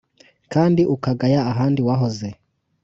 kandi ukagaya ahandi wahoze